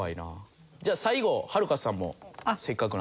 じゃあ最後はるかさんもせっかくなんで。